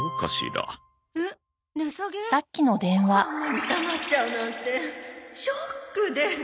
あんなに下がっちゃうなんてショックで。